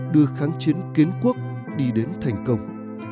đưa kháng chiến kiến quốc đi đến thành công